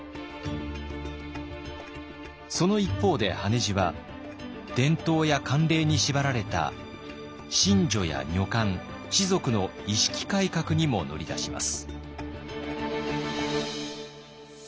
その一方で羽地は伝統や慣例に縛られた神女や女官士族の意識改革にも乗り出します。